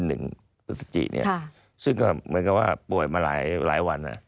สิบสักทีนี่จริงนี้ซึ่งก็เหมือนกันว่าป่วยมาหลายวันครับ